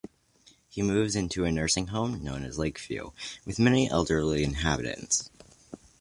He moves into a nursing home known as Lakeview, with many elderly inhabitants.